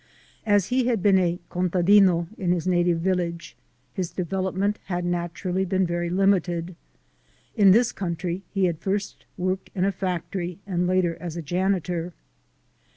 As he had been a "contadino" in his native village, his development had naturally been very limited. In this country he had first worked in a factory and later as a janitor.